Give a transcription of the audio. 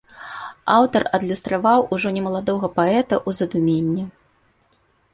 Аўтар адлюстраваў ужо немаладога паэта ў задуменні.